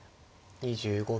２５秒。